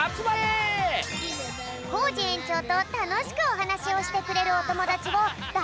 コージえんちょうとたのしくおはなしをしてくれるおともだちをだ